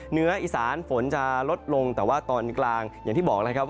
เหนืออีสานฝนจะลดลงแต่ว่าตอนกลางอย่างที่บอกแล้วครับว่า